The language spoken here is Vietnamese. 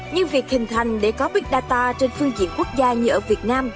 nhưng việc hình thành để có big data trên phương diện quốc gia như ở việt nam